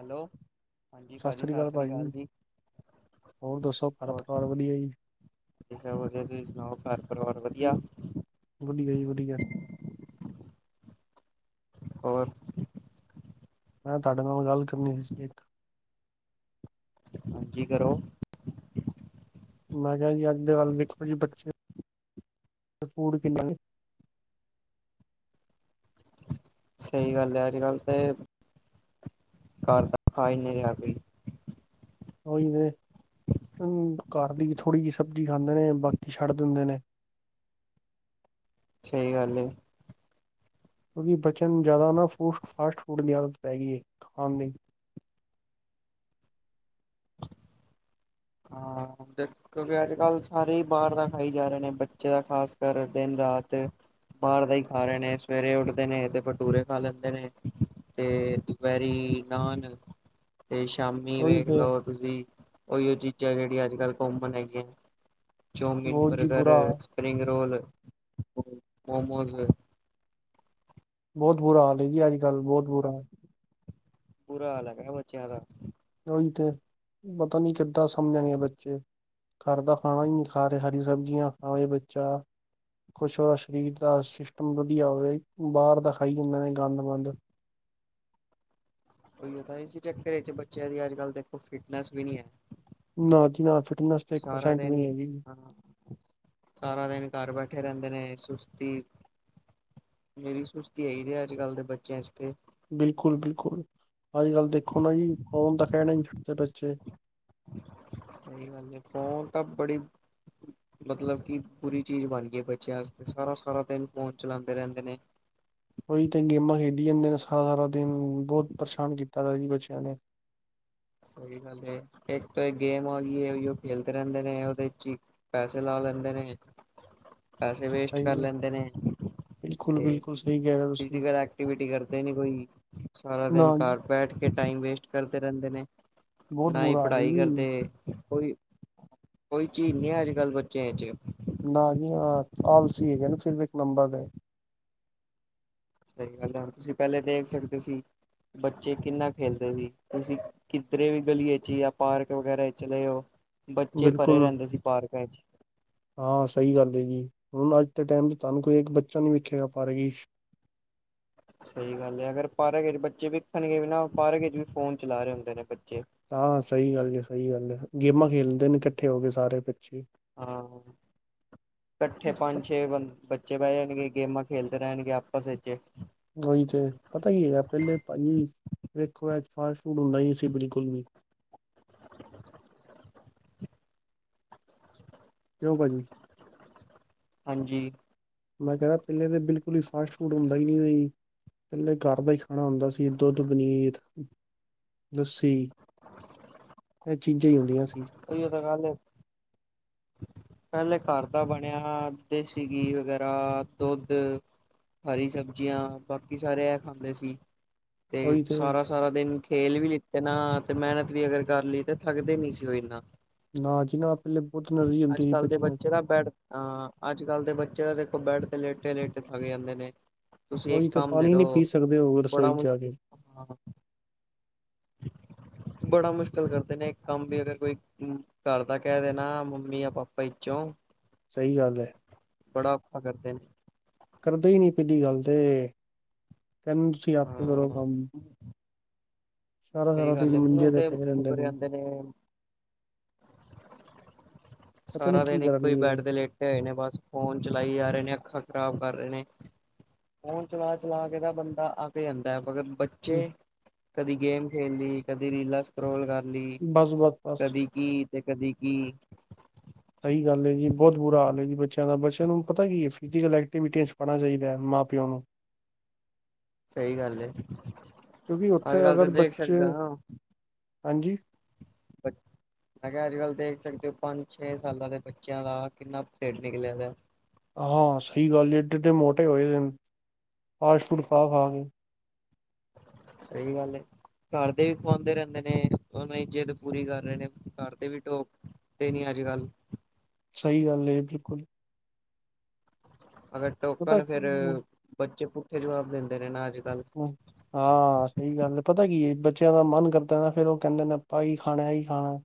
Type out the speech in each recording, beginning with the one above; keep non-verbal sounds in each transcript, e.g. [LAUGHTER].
Hello, ਹਾਂਜੀ ਭਾਜੀ ਸਤਿ ਸ੍ਰੀ ਅਕਾਲ ਜੀ। ਹੋਰ ਦੱਸੋ ਭ ਤ ਵੀਆ ਜੀ। [UNINTELLIGIBLE] ਠੀਕ ਸਭ ਵਧੀਆ ਤੁਸੀਂ ਸੁਣਾਓ ਘਰ ਪਰਿਵਾਰ ਵਧੀਆ। ਵਧੀਆ ਜੀ ਵਧੀਆ। ਹੋਰ ਮੈਂ ਤੁਹਾਡੇ ਨਾਲ ਗੱਲ ਕਰਨੀ ਸੀ ਇੱਕ ਹਾਂਜੀ ਕਰੋ। ਮੈਂ ਕਿਹਾ ਜੀ ਅੱਜ ਦੇ ਵੱਲ ਵੇਖੋ ਜੀ ਬੱਚੇ, ਫੂ ਕਿੰਨਾ ਨੇ ਸਹੀ ਗੱਲ ਹੈ ਅੱਜ ਕੱਲ ਤੇ, ਘਰ ਦਾ ਖਾ ਰਿਹਾ ਕੋਈ। ਉਹੀ ਨੇ ਘਰ ਦੀ ਥੋੜੀ ਜਿਹੀ ਸਬਜ਼ੀ ਖਾਂਦੇ ਨੇ ਬਾਕੀ ਛੱਡ ਦਿੰਦੇ ਨੇ। ਸਹੀ ਗੱਲ ਏ। ਕਿਉਂਕਿ ਬੱਚਿਆਂ ਨੂੰ ਜ਼ਿਆਦਾ ਫੂ ਫਾਸਟ ਫੂਡ ਦੀ ਆਦਤ ਪੈ ਗਈ ਹੈ ਖਾਣ ਲਈ। ਹਾਂ, ਕਿਉਂਕਿ ਅੱਜ ਕੱਲ੍ਹ ਸਾਰੇ ਹੀ ਬਾਹਰ ਦਾ ਖਾਈ ਜਾ ਰਹੇ ਨੇ ਬੱਚਾ ਖਾਸ ਕਰ ਦਿਨ ਰਾਤ। ਬਾਹਰ ਦਾ ਹੀ ਖਾ ਰਹੇ ਨੇ ਸਵੇਰੇ ਉੱਠਦੇ ਨੇ ਤੇ ਭਟੂਰੇ ਖਾ ਲੈਂਦੇ ਨੇ। ਤੇ ਦੁਪਹਿਰੀ ਨਾਨ। ਤੇ ਸ਼ਾਮੀ ਉਹੀ ਵੇਖ ਤੇ ਲਓ ਤੁਸੀਂ ਉਹੀਓ ਚੀਜ਼ਾਂ ਜਿਹੜੀਆਂ ਅੱਜ -ਕੱਲ੍ਹ ਕੋਮਣ ਹੈਗੀਆਂ। ਚੌਮੀਨ, ਬਹੁਤ ਜੀ ਬਰਗਰ, ਬੁਰਾ ਹਾਲ- ਸਪ੍ਰਿੰਗ ਰੋਲ, ਮੋਮੋਜ਼। ਬਹੁਤ ਬੁਰਾ ਹਾਲ ਹੈ ਜੀ ਅੱਜ ਕੱਲ੍ਹ ਬਹੁਤ ਬੁਰਾ ਬੁਰਾ ਹਾਲ ਹੈਗਾ ਬੱਚਿਆਂ ਦਾ। ਉਹੀ ਤੇ, ਪਤਾ ਨੀ ਕਿੱਦਾਂ ਸਮਝਣਗੇ ਬੱਚੇ। ਘਰ ਦਾ ਖਾਣਾ ਹੀ ਨੀ ਖਾ ਰਹੇ, ਹਰੀ ਸਬਜ਼ੀਆਂ ਖਾਵੇ ਬੱਚਾ ਕੁਛ ਹੋਆ ਸਰੀਰ ਦਾ ਸਿਸਟਮ ਵਧੀਆ ਹੋਵੇ, ਬਾਹਰ ਦਾ ਖਾਈ ਜਾਂਦੇ ਨੇ ਗੰਦ ਮੰਦ। ਉਹੀ ਤੇ ਇਸ ਚੱਕਰ ਚ ਬੱਚਿਆਂ ਦੀ ਅੱਜ- ਕੱਲ ਦੇਖੋ ਫਿਟਨਸ ਵੀ ਨੀ ਹੈ। ਨਾ ਜੀ ਨਾ ਫਿਟਨੈਸ ਤੇ ਇੱਕ ਸਾਰਾ ਪਰਸੈਂਟ ਦਿਨ ਵੀ ਹੈਗੀ ਜੀ। ਹਾਂ ਸਾਰਾ ਦਿਨ ਘਰ ਬੈਠੇ ਰਹਿੰਦੇ ਨੇ ਸੁਸਤੀ। ਮੇਰੀ ਸੁਸਤੀ ਆ ਦੀ ਏ ਅੱਜ ਕੱਲ੍ਹ ਦੇ ਬੱਚਿਆਂ ਚ ਤੇ। ਬਿਲਕੁਲ ਬਿਲਕੁਲ ਅੱਜ ਕੱਲ ਦੇਖੋ ਨਾ ਜੀ ਫੋਨ ਦਾ ਖੈੜਾ ਨੀ ਛੱਡਦੇ ਬੱਚੇ ਸਹੀ ਗੱਲ ਹੈ, ਫੋਨ ਤਾਂ ਬੜੀ ਮਤਲਬ ਕਿ ਬੁਰੀ ਚੀਜ਼ ਬਣ ਗਈਏ ਬੱਚਿਆਂ ਆਸਤੇ ਸਾਰਾ ਸਾਰਾ ਦਿਨ ਫੋਨ ਚਲਾਂਦੇ ਰਹਿੰਦੇ ਨੇ ਉਹੀ ਤੇ ਗੇਮਾਂ ਖੇਡੀ ਜਾਂਦੇ ਨੇ ਸਾਰਾ ਸਾਰਾ ਦਿਨ ਬਹੁਤ ਪਰੇਸ਼ਾਨ ਕੀਤਾ ਦਾ ਜੀ ਬੱਚਿਆਂ ਨੇ। ਸਹੀ ਗੱਲ ਤੋਂ ਇਕ ਤੇ ਗੇਮ ਆ ਗਈ ਏ ਉਹ ਖੇਲਦੇ ਰਹਿੰਦੇ ਨੇ ਉਹਦੇ ਚ ਹੀ ਪੈਸੇ ਲਾ ਲੈਂਦੇ ਨੇ ਪੈਸੇ ਵੇਸਟ ਕਰ ਸਹੀ ਹੈ ਲੈਂਦੇ ਨੇ। ਬਿਲਕੁਲ ਬਿਲਕੁਲ ਸਹੀ ਕਹਿ ਰਹੇ ਹੋ ਤੁਸੀਂ ਫਿਜ਼ੀਕਲ ਐਕਟੀਵਿਟੀ ਕਰਦੇ ਨੀ ਕੋਈ ਸਾਰਾ ਦਿਨ ਨਾ ਜੀ ਘਰ ਬੈਠ ਕੇ ਟਾਈਮ ਵੇਸਟ ਕਰਦੇ ਰਹਿੰਦੇ ਨੇ। ਬਹੁਤ ਨਾ ਹੀ ਬੁਰਾ ਹਾਲ ਹੈ ਪੜ੍ਹਾਈ ਕਰਦੇ ਜੀ ਕੋਈ ਕੋਈ ਚੀਜ਼ ਨਹੀਂ ਹੈ ਅੱਜ ਕੱਲ ਬੱਚਿਆਂ ਚ। ਨਾ ਜੀ ਹ ਆਲਸੀ ਹੈਗੇ ਨੇ ਸਿਰਫ ਇੱਕ ਨੰਬਰ ਦੇ ਸਹੀ ਗੱਲ ਹੈ ਤੁਸੀਂ ਪਹਿਲੇ ਦੇਖ ਸਕਦੇ ਸੀ ਬੱਚੇ ਕਿੰਨਾ ਖੇਲਦੇ ਸੀ ਤੁਸੀਂ ਕਿਧਰੇ ਵੀ ਗਲੀਏ ਚ ਜਾਂ ਪਾਰਕ ਵਗੈਰਾ ਚਲੇ ਜਾਓ ਬੱਚੇ ਭਰੇ ਬਿਲਕੁਲ ਰਹਿੰਦੇ ਸੀ ਪਾਰਕ ਵਿੱਚ। ਹਾਂ ਸਹੀ ਗੱਲ ਹੈ ਜੀ ਹੁਣ ਅੱਜ ਦੇ ਟੈਮ ਚ ' ਤੁਹਾਨੂੰ ਕੋਈ ਇੱਕ ਬੱਚਾ ਨੀ ਵਿੱਖੇਗਾ ਪਾਰਕ ਚ ਸਹੀ ਗੱਲ ਹੈ ਅਗਰ ਪਾਰਕ ਚ ਬੱਚੇ ਵਿਖਣਗੇ ਵੀ ਨਾ ਪਾਰਕ ਚ ਵੀ ਫੋਨ ਚਲਾ ਰਹੇ ਹੁੰਦੇ ਨੇ ਬੱਚੇ ਹਾਂ ਸਹੀ ਗੱਲ ਜੀ ਸਹੀ ਗੱਲ ਹੈ ਗੇਮਾਂ ਖੇਲਦੇ ਨੇ ਇਕੱਠੇ ਹੋ ਕੇ ਸਾਰੇ ਬੱਚੇ- ਹਾਂ ਇਕੱਠੇ ਪੰਜ ਛੇ ਬੱਚੇ ਬੈੰਗੇ ਗੇਮਾਂ ਖੇਲਦੇ ਰਹਿਣਗੇ ਆਪਸ ਚ [UNINTELLIGIBLE] ਗਲੀ ਚ ਪਤਾ ਕੀ ਹੈਗਾ ਪਹਿਲੇ ਭਾਜੀ ਵੇਖੋ ਅੱਜ ਫਾਸਟ ਫੂਡ ਹੁੰਦਾ ਹੀ ਨਹੀਂ ਸੀ ਬਿਲਕੁਲ ਵੀ ਕਿਂ ਕੁ ਜੀ [UNINTELLIGIBLE] ਹਾਂਜੀ, ਮੈਂ ਕਹਿ ਰਿਹਾ ਪਿੱਲੇ ਤੇ ਬਿਲਕੁਲ ਹੀ ਫਾਸਟ ਫੂਡ ਹੁੰਦਾ ਹੀ ਨਹੀਂ ਪਹਿਲੇ ਘਰ ਦਾ ਹੀ ਖਾਣਾ ਹੁੰਦਾ ਸੀ ਦੁੱਧ ਪਨੀਰ ਲੱਸੀ ਇਹ ਚੀਜ਼ਾਂ ਹੀ ਹੁੰਦੀਆਂ ਸੀ ਇਹੀਓ ਤਾਂ ਗੱਲ ਏ ਪਹਿਲੇ ਘਰ ਦਾ ਬਣਿਆ ਦੇਸੀ ਘੀ ਵਗੈਰਾ ਦੁੱਧ ਹਰੀ ਸਬਜ਼ੀਆਂ ਬਾਕੀ ਸਾਰੇ ਇਹ ਖਾਂਦੇ ਸੀ ਤੇ ਸਾਰਾ ਸਾਰਾ ਦਿਨ ਖੇਲ ਵੀ ਲਿੱਤੇ ਨਾ ਤੇ ਮਿਹਨਤ ਵੀ ਅਗਰ ਕਰ ਲਈ ਤੇ ਥੱਕਦੇ ਨੀ ਸੀ ਦੋ ਇਨਾਂ ਨਾ ਜੀ ਨਾ ਪਹਿਲੇ ਬਹੁਤ ਐਨਰਜੀ ਹੁੰਦੀ ਸੀ ਕੱਲ੍ਹ ਦੇ ਬੱਚਿਆਂ ਚ ਬੱਚੇ ਬੈਡ ਹਾਂ ਅੱਜ ਕੱਲ੍ਹ ਦੇ ਬੱਚੇ ਤਾਂ ਦੇਖੋ ਬੈਡ ਤੇ ਲੇਟੇ ਲੇਟੇ ਥੱਕ ਜਾਂਦੇ ਨੇ ਤੁਸੀਂ ਉਹੀ ਇੱਕ ਤੇ ਕੰਮ ਦੇ ਪਾਣੀ ਦੋ ਨੀ ਪੀ ਸਕਦੇ ਹੋ ਬੜਾ ਰਸੋਈ ਚ ਜਾ ਕੇ ਮੁਸ਼ਕ ਬੜਾ ਮੁਸ਼ਕਲ ਕਰਦੇ ਨੇ ਇੱਕ ਕੰਮ ਵੀ ਅਗਰ ਕੋਈ ਘਰ ਦਾ ਕਹਿ ਦੇਣਾ ਮੰਮੀ ਜਾਂ ਪਾਪਾ ਇੱਚੋ ਸਹੀ ਗੱਲ ਹੈ ਬੜਾ [UNINTELLIGIBLE] ਕਰਦੇ ਨੇ ਕਰਦੇ ਹੀ ਨੀ ਪਹਿਲੀ ਗੱਲ ਤੇ ਕਹਿੰਦੇ ਤੁਸੀਂ ਆਪੇ ਕਰੋ ਹਾਂ ਕੰਮ ਸਾਰਾ ਸਹੀ ਸਾਰਾ ਗੱਲ ਦਿਨ ਏ ਮੂੰਹ ਮੰਜੇ ਤੇ ਪਏ ਰਹਿੰਦੇ ਮੁਕਰ ਜਾਂਦੇ ਨੇ ਪਤਾ ਨੀ ਸਾਰਾ ਕੀ ਦਿਨ ਇੱਕੋ ਹੀ ਕਰਨਗੇ ਬੈਡ ਤੇ ਲੇਟੇ ਹੋਏ ਨੇ ਬਸ ਫੋਨ ਚਲਾਈ ਜਾ ਰਹੇ ਨੇ ਅੱਖਾਂ ਖ਼ਰਾਬ ਕਰ ਰਹੇ ਨੇ ਫੋਨ ਚਲਾ ਚਲਾ ਕੇ ਤਾਂ ਬੰਦਾ ਅੱਕ ਜਾਂਦੈ ਮਗਰ ਬੱਚੇ ਕਦੀ ਗੇਮ ਖੇਲ ਲਈ ਕਦੀ ਰੀਲਾਂ ਸਕਰੋਲ ਕਰ ਲਈ ਬਸ ਬਸ ਬਸ ਕਦੀ ਕੀ ਤੇ ਕਦੀ ਕੀ ਸਹੀ ਗੱਲ ਏ ਜੀ ਬਹੁਤ ਬੁਰਾ ਹਾਲ ਏ ਜੀ ਬੱਚਿਆਂ ਦਾ ਬੱਚਿਆਂ ਨੂੰ ਪਤਾ ਕੀ ਹੈ ਫਿਜ਼ਕਲ ਐਕਟੀਵਿਟ ਚਾਹੀਦੈ ਮਾਂ ਪਿਓ ਨੂੰ [UNINTELLIGIBLE] [INAUDIBLE] ਸਹੀ ਗੱਲ ਹੈ ਕਿਉਂਕਿ ਉੱਥੇ ਅੱਜ ਕੱਲ ਤਾਂ ਅਗਰ ਦੇਖ ਬੱਚੇ ਸਕਦੇ ਅ ਹਾਂਜੀ ਮੈਂ ਕਿਹਾ ਅੱਜ ਕੱਲ ਦੇਖ ਸਕਦੇ ਹੋ ਪੰਜ ਛੇ ਸਾਲਾਂ ਦੇ ਬੱਚਿਆਂ ਦਾ ਕਿੰਨਾ ਪਰੇਡ ਨਿਕਲਿਆ ਹਾਂ ਸਹੀ ਗੱਲ ਜ ਇਏਡੇ ਡੇ ਮੋਟੇ ਹੋਏ ਫਾਸਟ ਫੂਟ ਖਾ ਖਾ ਕੇ ਸਹੀ ਗੱਲ ਏ ਘਰ ਦੇ ਵੀ ਖਵਾਉਂਦੇ ਰਹਿੰਦੇ ਨੇ ਉਹਨਾਂ ਦੀ ਇੱਜਤ ਪੂਰੀ ਕਰ ਰਹੇ ਨੇ ਘਰ ਦੇ ਵੀ ਟਢੋਕ ਤੇ ਨੀ ਅੱਜ ਕੱਲ੍ਹ ਸਹੀ ਗੱਲ ਬਿਲਕੁਲ ਅਗਰ ਪਤਾ ਟੋਕਨ ਫੇਰ ਬੱਚੇ ਪੁੱਠੇ ਜਵਾਬ ਦਿੰਦੇ ਨੇ ਨਾ ਅੱਜ ਕੱਲ ਹਾਂ ਹਾਂ ਸਹੀ ਗੱਲ ਹੈ ਪਤਾ ਕੀ ਹੈ ਬੱਚਿਆਂ ਦਾ ਮਨ ਕਰਦਾ ਨਾ ਫੇਿਰ ਉਹ ਕਹਿੰਦੇ ਨੇ ਆਪਾਂ ਹੀ ਖਾਣਾ ਇਹੀ ਖਾਣਾ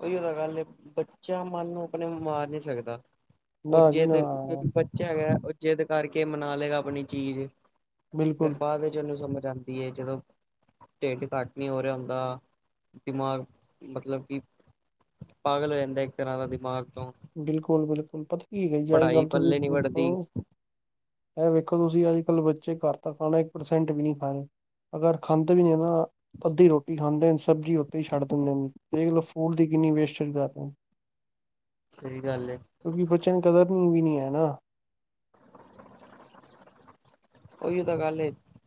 ਉਹੀ ਉਹਦਾ ਗੱਲ ਬੱਚਾ ਮਨ ਨੂੰ ਆਪਣੇ ਮਾਰ ਨਹੀਂੀ ਸਕਦਾ ਨਾ ਜੀ ਉਜੇ ਨਾ ਤੇਂਕ ਹੈਗਾ ਉਹ ਜਿੱਦ ਕਰਕੇ ਮਨਾ ਲਏਗਾ ਆਪਣੀ ਚੀਜ਼ ਫਿਰ ਬਿਲਕੁਲ ਬਾਅਦ ਚ ਉਹਨੂੰ ਸਮਝ ਆਉਂ ਜਦੋਂ ਢਿੱਡ ਘੱਟ ਨਹੀਂ ਹੋ ਰਿਹਾ ਹੁੰਦਾ ਦਿਮਾਗ ਮਤਲਬ ਕਿ ਪਗਲ ਹੰਦ ਇਤੇਾਰ ਦੀ ਮਾਗ ਤੋਂ ਬਿਲਕੁਲ ਬਿਲਕੁਲ ਪਤਾ ਕੀ ਕਹੀ ਅੱਜ ਪੜ੍ਹਾਈ ਕੱਲ ਤੁਸੀਂ ਪੱਲੇ ਨੀ ਦੇਖ ਵੜਦੀ ਇਹ ਵੇਖੋ ਤੁਸੀਂ ਅੱਜ ਕੱਲ ਬੱਚੇ ਘਰ ਤਾਂ ਖਾਣਾ ਇੱਕ ਪਰਸੈਂਟ ਵੀ ਨਹੀਂੀ ਖਾ ਰ ਅਗਰ ਖੰਦੇ ਵੀ ਨਹੀਂ ਨਾ ਅੱਧੀ ਰੋਟੀ ਖਾਂਦੇ ਹਨ ਸਬਜ਼ੀ ਉੱਤੇ ਹੀ ਛੱਡ ਦਿੰਦੇ ਨੇ ਤੇਲੋ ਫੂਲ ਦੀ ਕਿੰਨੀ ਵੇਸਟਜ ਕਰਦੇ ਸਹੀ ਗੱਲ ਏ ਕਿਉਂਕਿ ਬੱਚਿਆਂ ਨੂੰ ਕਦਰਨੀ ਵੀ ਨੀ ਹੈ ਨਾ ਉਹੀ ਤਾਂ ਗੱਲ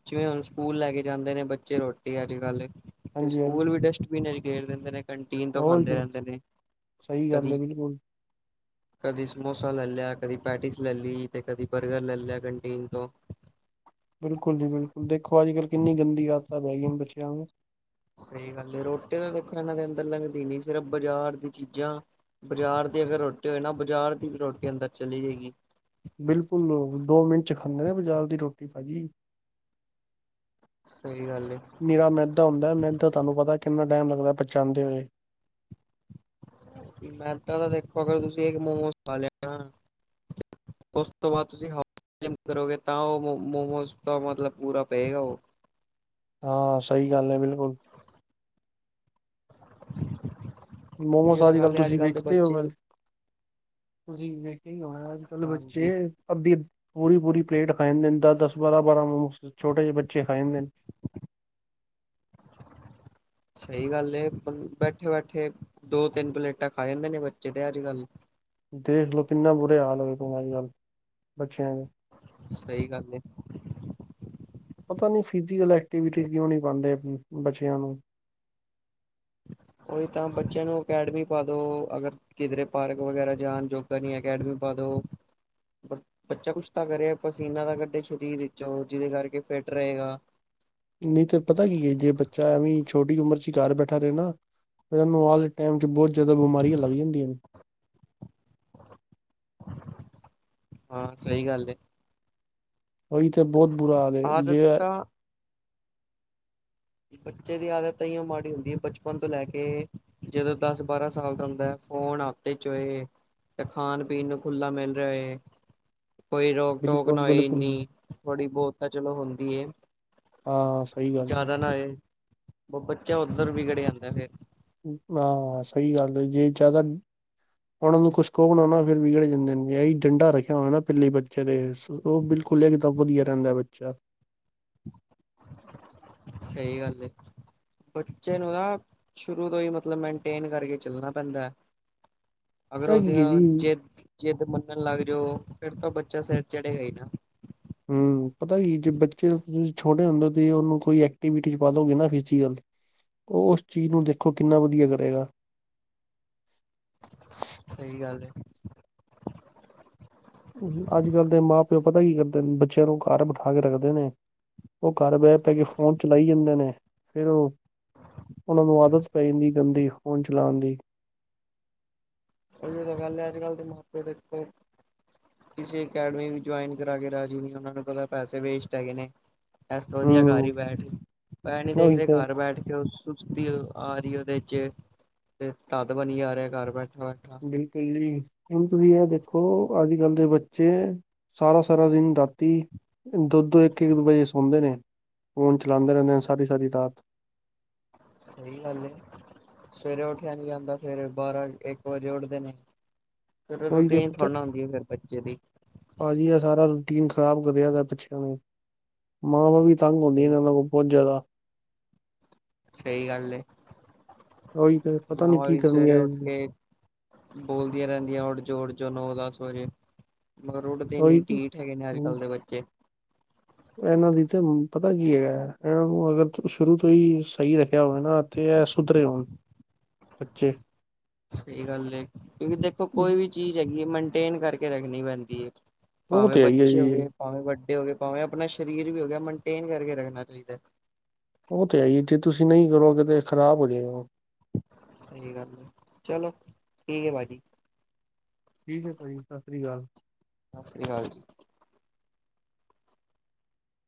ਜਿਵੇਂ ਹੁਣ ਸਕੂਲ ਲੈ ਕੇ ਜਾਂਦੇ ਨੇ ਬੱਚੇ ਰੋਟੀ ਅੱਜ ਕੱਲ ਤੇ ਹਾਂਜੀ ਸਕੂਲ ਹਾਂਜੀ ਵੀ ਡਸਟਬਿਨ ਚ ਘੇਰ ਦਿੰਦੇ ਨੇ ਕੰਟੀਨ ਤੋਂ ਹੋਰ ਖਾਂਦੇ ਕੀ ਰਹਿੰਦੇ ਨੇ ਸਹੀ ਗੱਲ ਕਦੀ ਹੈ ਬਿਲਕੁਲ ਕਦੀ ਸਮੋਸਾ ਲੈ ਲਿਆ ਕਦੀ ਪੈਟੀਜ਼ ਲੈ ਲਈ ਤੇ ਕਦੀ ਬਰਗਰ ਲੈ ਲਿਆ ਕੰਟੀਨ ਤੋਂ ਬਿਲਕੁਲ ਜੀ ਬਿਲਕੁਲ ਦੇਖੋ ਅੱਜ ਕੱਲ੍ਹ ਕਿੰਨੀ ਗੰਦੀ ਆਤਾਂ ਪੈ ਗਈ ਨੇ ਬੱਚਿਆਂ ਨੂੰ ਸਹੀ ਗੱਲ ਰੋਟੀ ਤਾਂ ਦੇਖੋ ਇਹਨਾਂ ਦੇ ਅੰਦਰ ਲੰਘਦੀ ਨੀ ਸਿਰਫ ਬਾਜ਼ਾਰ ਦੀ ਚੀਜ਼ਾਂ ਬਾਜ਼ਾਰ ਦੀ ਅਗਰ ਰੋਟੀ ਹੋਏ ਨਾ ਬਾਜ਼ਾਰ ਦੀ ਰੋਟੀ ਕੇ ਅੰਦਰ ਚਲੀ ਜਾਏਗੀ ਬਿਲਕੁਲ ਦੋ ਮਿੰਟ ਚ ਖਾਂਦੇ ਨੇ ਬਾਜਾਰ ਦੀ ਰੋਟੀ ਭਾਜੀ ਸਹੀ ਗੱਲ ਏ ਨੇਰਾ ਮਹਿੰਦਾ ਹੁੰਦਾ ਮਹਿੰਦਾ ਤੁਹਾਨੂੰ ਪਤਾ ਕਿੰਨਾ ਟਾਈਮ ਲੱਗਦਾ ਪ ਬਚਾਉਂਦੇ ਹੋਏ ਮੈਂਦ ਤਾਂ ਦੇਖੋ ਅਗਰ ਤੁਸੀਂ ਇੱਕ ਮੋਮੋਸ ਪਾ ਲਿਆਣਾ ਉਸ ਤੋਂ ਬਾਅਦ ਤੁਸੀਂ ਮ ਕਰੋਗੇ ਤਾਂ ਉਹ ਮੋਮੋਸ ਤਾਂ ਮਤਲਬ ਪੂਰਾ ਪਏਗਾ ਉਹ ਹਾਂ ਸਹੀ ਗੱਲ ਹੈ ਬਿਲਕੁਲ [INAUDIBLE] ਮੋਮੋਸ ਇਹ ਤਾਂ ਅਜ ਕੱਲ ਗੱਲ ਏ ਤੁਸੀਂ ਅੱਜ-ਕੱਲ੍ਹ ਦੇ ਵੇਖਦੇ ਬੱਚੇ ਹੋ ਤੁਸੀਂ ਵੇਖ ਹੋ ਅੱਜ ਕੱਲ ਬੱਚੇ ਹਾਂਜੀ ਆਪਦੀ ਪੂਰੀ ਪੂਰੀ ਪਲੇਟ ਖਾ ਜਾਂਦੇ ਨੇ ਦਸ ਦਸ ਬਾਰਾਂ ਬਾਰਾਂ ਮੋਮੋਸ ਛੋਟੇ ਜਿਹੇ ਬੱਚੇ ਖਾ ਜਾਂਦੇ ਨੇ ਸਹੀ ਗੱਲ ਬੈਠੇ ਬੈਠੇ ਦੋ ਤਿੰਨ ਪਲੇਟਾਂ ਖਾ ਜਾਂਦੇ ਨੇ ਬੱਚੇ ਤੇ ਅੱਜ ਕੱਲ੍ਹ ਦੇਖਲਓ ਕਿੰਨਾ ਬੁਰੇ ਹਾਲ ਹੋਵੇ ਤੂੰ ਅੱਜ ਕੱਲ ਬੱਚਿਆਂ ਦੇ ਸਹੀ ਗੱਲ ਪਤਾ ਨੀ ਫਿਜ਼ਕਲ ਐਕਟੀਵਿਟੀ ਕਿਉਂ ਨਹੀਂ ਪਾਉਂਦੇ ਬੱਚਿਆਂ ਨੂੰ ਉਹੀ ਤਾਂ ਬੱਚਿਆਂ ਨੂੰ ਅਕੈਡਮੀ ਪਾ ਦੋ ਅਗਰ ਕਿਧਰੇ ਪਾਰਕ ਵਗੈਰਾ ਜਾਣ ਜੋੀ ਅਕੈਡਮੀ ਪਾ ਦੋ ਬੱਚਾ ਕੁਛ ਤਾਂ ਕਰੇ ਪਸੀਨਾ ਤਾਂ ਕੱਢੇ ਸਰੀਰ ਵਿੱਚੋਂ ਜਿਹਦੇ ਕਰਕੇ ਫਿਟ ਰਹੇਗਾ ਨਹੀਂ ਤੇ ਪਤਾ ਕੀ ਜੇ ਬੱਚਾ ਐਵੇਂ ਛੋਟੀ ਉਮਰ ਚ ਹੀ ਘਰ ਬੈਠਾ ਰਹੇ ਨਾ ਇਹਨੂੰ ਆ ਟਾਈਮ 'ਚ ਬਹੁਤ ਜ਼ਿਆਦਾ ਬਿਮਾਰੀਆਂ ਲੱਗ ਜਾਂਦੀਆਂ ਨੇ ਹਾਂ ਸਹੀ ਗੱਲ ਉਹੀ ਤੇ ਬਹੁਤ ਬੁਰਾ ਹਾਲ ਆਦਤ ਜੇ ਤਾਂ ਬੱਚੇ ਦੀ ਆਦਤ ਤਾਂ ਇ ਮਾੜੀ ਹੁੰਦੀ ਹੈ ਬਚਪਨ ਤੋਂ ਲੈ ਕੇ ਜਦੋਂ ਦਸ ਬਾਰਾਂ ਸਾਲ ਦਾ ਹੁੰਦਾ ਫੋਨ ਚੋਏ ਤੇ ਖਾਣ-ਪੀਣ ਨੂੰ ਖੁੱਲ੍ਹਾ ਮਿਲ ਰਿਹਾ ਹੈ। ਕੋਈ ਰੋਕ ਟੋਕ ਨਾ ਬਿਲਕੁਲ ਹੋਏ, ਬਿਲਕੁਲ ਇੰਨੀ ਥੋੜ੍ਹੀ ਬਹੁਤ ਤਾਂ ਚਲੋ ਹੁੰਦੀ। ਹਾਂ ਸਹੀ ਗੱਲ ਹੈ। ਜ਼ਿਆਦਾ ਬੱਚਾ ਉੱਧਰ ਵਿਗੜ ਜਾਂਦਾ ਫੇਰ, ਹਾਂ ਸਹੀ ਗੱਲ ਜੇ ਜ਼ਿਆਦਾ। ਉਹਨਾਂ ਨੂੰ ਕੁਛ ਕੋ ਬਣਾ ਨਾ, ਫਿਰ ਵਿਗੜ ਜਾਂਦੇ ਨੇ ਡੰਡਾ ਰੱਖਿਆ ਹੋਣਾ ਨਾ ਪਿੱਲੀ ਬੱਚੇ ਦੇ, ਉਹ ਬਿਲਕੁਲ ਇਹ ਤਾਂ ਵਧੀਆ ਰਹਿੰਦਾ ਬੱਚਾ, ਸਹੀ ਗੱਲ ਐ। ਬੱਚੇ ਨੂੰ ਨਾ ਸ਼ੁਰੂ ਤੋਂ ਹੀ ਮਤਲਬ ਮੇਨਟੇਨ ਕਰਕੇ ਚੱਲਣਾ ਪੈਂਦਾ ਹੈ। [UNINTELLIGIBLE] ਅਗਰ ਪਤਾ ਕੀ ਹੈ ਉਹਦੀਆਂ ਜੀ ਜਿੱਦ-ਜਿੱਦ ਮੰਨਣ ਲੱਗ ਜਾਓ, ਫਿਰ ਤਾਂ ਬੱਚਾ ਸਿਰ ਚੜੇਗਾ ਹੀ ਨਾ ਹੂੰ ਪਤਾ ਕੀ ਜੇ ਬੱਚੇ ਤੁਂ ਛੋਟੇ ਹੁੰਦੇ, ਤੇ ਉਹਨੂੰ ਕੋਈ ਐਕਟੀਵਿਟੀ ਚ ਪਾ ਦਓਗੇ ਨਾ ਫਿਜ਼ਕਲ ਉਹ ਉਸ ਚੀਜ਼ ਨੂੰ ਦੇਖੋ, ਕਿੰਨਾ ਵਧੀਆ ਕਰੇਗਾ। ਸਹੀ ਗੱਲ ਐ। ਅੱਜ ਕੱਲ੍ਹ ਦੇ ਮਾਂ ਪਿਓ ਪਤਾ ਕੀ ਕਰਦੇ ਨੇ ਬੱਚਿਆਂ ਨੂੰ ਘਰ ਬਿਠਾ ਕੇ ਰੱਖਦੇ ਨੇ, ਉਹ ਘਰ ਬਹਿ ਪੈ ਕੇ ਫੋਨ ਚਲਾਈ ਜਾਂਦੇ ਨੇ, ਫੇਰ ਉਹ ਉਹਨਾਂ ਨੂੰ ਆਦਤ ਪੈਂਦੀ, ਗੰਦੀ ਫੋਨ ਚਲਾਉਣ ਦੀ, ਇ ਤਾਂ ਗੱਲ ਹੈ, ਅੱਜ-ਕੱਲ ਦੇ ਮਾਪੇ ਦੇ, ਕਿਸੇ ਅਕੈਡਮੀ ਵੀ ਜੁਆਇਨ ਕਰਾ ਕੇ ਰਾਜੀ, ਉਹਨਾ ਨੂੰ ਪਤਾ ਪੈਸੇ ਵੇਸਟ ਹੈਗੇ ਨੇ, ਇਸ ਤੋਂ ਵਧੀਆ ਘਰ ਹੀ ਹੂੰ ਬੈਠ ਐ ਨੀ ਦੇਖ ਉਹੀ ਰਹੇ ਤੇ ਘਰ ਬੈਠ ਕੇ ਔ ਸੁਸਤੀ ਆ ਰਹੀ ਉਹਦੇ ਚ ਤੇ ਤੱਦ ਬਣੀ ਆ ਰਿਹਾ ਘਰ ਬੈਠਾ ਹੋ। ਬਿਲਕੁਲ ਜੀ, ਕਿਉਂ ਤੁਸੀਂ ਇਹ ਦੇਖੋ ਅੱਜ-ਕੱਲ੍ਹ ਦੇ ਬੱਚੇ ਸਾਰਾ-ਸਾਰਾ ਦਿਨ, ਰਾਤੀ ਦੋ-ਦੋ, ਇੱਕ-ਇੱਕ ਵਜੇ ਸੌਂਦੇ ਨੇਂ ਫੋਨ ਚਲਾਂਦੇ ਰਹਿੰਦੇ ਨੇ ਸਾਰੀ-ਸਾਰੀ ਰਾਤ। ਸਹੀ ਗੱਲ ਏ, ਸਵੇਰੇ ਉੱਠਿਆ ਨੀਂ ਜਾਂਦਾ ਫੇਰ ਬਾਰਾਂ-ਇੱਕ ਵਜੇ ਉੱਠਦੇ ਨੇਂ। ਫੇਰ ਉਹੀ ਰੂਟੀਨ ਥੋੜ੍ਹਾ ਨਾਂ ਹੁੰਦੀ ਐ ਫੇਰ ਬੱਚੇ ਦੀ। ਪਾਜੀ ਆ ਸਾਰਾ ਰੂਟੀਨ ਖ਼ਰਾਬ ਕਰਿਆ ਦਾ ਹੈ ਬੱਚਿਆਂ ਨੇ ਮਾਂਵਾ ਵੀ ਤੰਗ ਹੁੰਦੀਆ ਸਹੀ ਇਹਨਾ ਗੱਲ ਕੋਲੋ ਬਹੁਤ ਜ਼ਿਆਦਾ। ਸਹੀ ਗੱਲ ਏ ਉਹੀ ਤੇ ਪਤਾ ਨੀ ਮਾਵਾਂ ਕੀ ਵੀ ਕਰਨਗੇ ਸਵੇਰੇ ਉੱਠ ਇਹ। ਕੇ ਬੋਲਦੀਆਂ ਰਹਿੰਦੀਆਂ ਉਠ ਜੋੋ ਉਠ ਜੋ ਨੌ-ਦਸ ਵਜੇ। ਮਗਰ ਓਠਦੇ ਹੀ ਨੀ ਉਹੀ ਤੇ ਢੀਠ ਹੈਗੇ ਨੇ ਹੁਣ ਅੱਜ-ਕੱਲ ਦੇ ਬੱਚੇ। ਇਹਨਾਂ ਦੀ ਤੇ ਪਤਾ ਕੀ ਹੈਗਾ ਅਗਰ [UNINTELLIGIBLE] ਸ਼ੁਰੂ ਤੋਂ ਹੀ ਸਹੀ ਰੱਖਿਆ ਹੋਵੇ ਨਾ ਤੇ ਐ ਸੁਧਰੇ ਹੋਨ ਬੱਚੇ। ਸਈ ਗਾੱਲ ਏ, ਕਯੋਂਕਿ ਦੇਖੋ ਕੋਈ ਵੀ ਚੀਜ਼ ਹੈਗੀ ਏ ਮੇਨਟੇਨ ਕਾਰਕੇ ਰੱਖਨੀ ਪੈਂਦੀ ਏ। ਉਹ ਪਾਵੇਂ ਤੇ ਹੈ ਹੀ ਹੈ ਬੱਚੇ ਜੀ ਹੋਗੇ, ਪਾਵੇਂ ਵੱਡੇ ਹੋਗੇ, ਪਾਵੇਂ ਆਪਨਾ ਸ਼ਰੀਰ ਵੀ ਹੋਗੇਆ ਮਨਟੇਨ ਕਰਕੇ ਰੱਖਨਾ ਚਾਈਦਾ। ਓ ਤੇ ਹੈਈ ਏ ਜੇ ਤੁਸੀ ਨਈ ਕਰੋਗੇ ਤੇ ਖ਼ਰਾਬ ਹੋਜੇਗਾ। ਸਈ ਗਾੱਲ ਏ, ਚਲੋ ਠੀਕ ਏ ਪਾਜੀ। ਠੀਕ ਏ ਪਾਜੀ, ਸਾਸ੍ਰੀ ਕਾਲ। ਸਾਸ੍ਰੀ ਕਾਲ ਜੀ।